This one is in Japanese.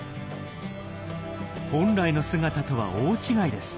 本来の姿とは大違いです。